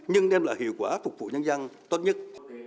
nhưng đem lại hiệu quả phục vụ nhân dân tốt nhất